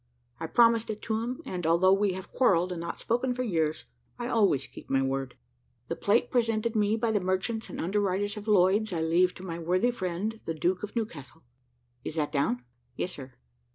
I promised it to him, and, although we have quarrelled, and not spoken for years, I always keep my word. The plate presented me by the merchants and under writers of Lloyd's I leave to my worthy friend the Duke of Newcastle. Is that down?" "Yes, sir."